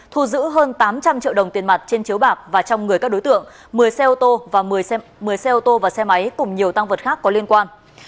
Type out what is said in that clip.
triệu đồng tiền mặt trên chiếu bạc và trong người các đối tượng một mươi xe ô tô và xe máy cùng nhiều tăng vật khác có liên quan